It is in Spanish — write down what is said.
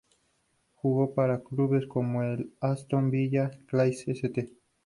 Jugó para clubes como el Aston Villa, Clyde, St.